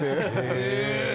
へえ！